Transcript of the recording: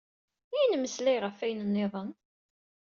I nemmeslay ɣef wayen niḍen?